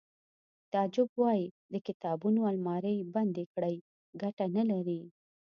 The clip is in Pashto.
تعجب وایی د کتابونو المارۍ بندې کړئ ګټه نلري